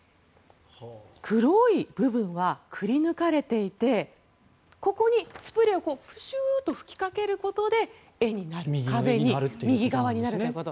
黒い部分がくりぬかれていてここにスプレーをプシューッと吹きかけることで絵になる右側になるということ。